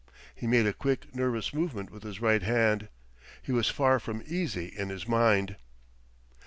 He made a quick nervous movement with his right hand, he was far from easy in his mind.